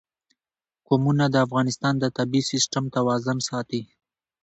قومونه د افغانستان د طبعي سیسټم توازن ساتي.